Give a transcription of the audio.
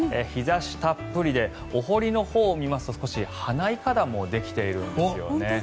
日差したっぷりでお堀のほうを見ますと少し花いかだもできているんですよね。